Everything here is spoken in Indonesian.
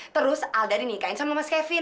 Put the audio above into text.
terus alda dinikahkan dengan mas kevin